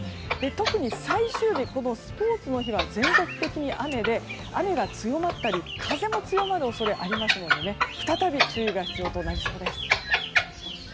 特に最終日、スポーツの日は全国的に雨で雨が強まったり風も強まる恐れがありますので再び注意が必要となりそうです。